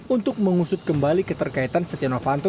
untuk mengusut kembali keterkaitan siti ravanto